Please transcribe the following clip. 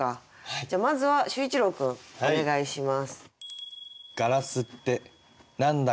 じゃあまずは秀一郎君お願いします。